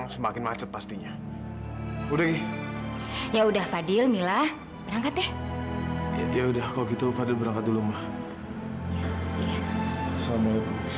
sampai jumpa di video selanjutnya